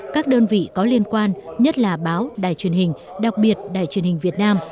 các đơn vị có liên quan nhất là báo đài truyền hình đặc biệt đài truyền hình việt nam